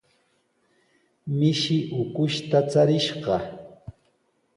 Mishi ukushta charishqa.